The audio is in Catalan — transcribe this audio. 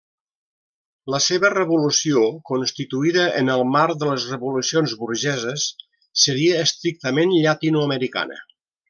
La seva revolució, constituïda en el marc de les revolucions burgeses, seria estrictament llatinoamericana.